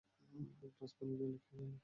এক গ্লাস পানি ঢেলে খেয়ে নিলেন।